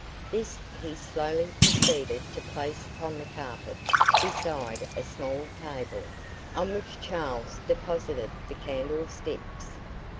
This he slowly proceeded to place upon the carpet beside a small table, on which Charles deposited the candlesticks.